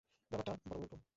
ব্যাপারটা বরং উল্টো।